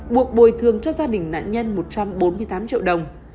buộc bồi thường cho gia đình nạn nhân một trăm bốn mươi tám triệu đồng